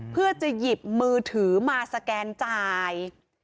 เพื่อจะหยิบมือถือมาสแกนจ่าย